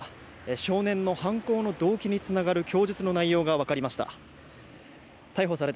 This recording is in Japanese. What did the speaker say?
少年の犯行の動機につながる供述の内容が分かりました。